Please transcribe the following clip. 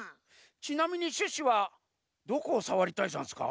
ちなみにシュッシュはどこをさわりたいざんすか？